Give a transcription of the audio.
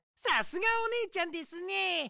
さすがおねえちゃんですね。